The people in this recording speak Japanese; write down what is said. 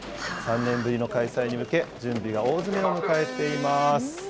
３年ぶりの開催に向け、準備が大詰めを迎えています。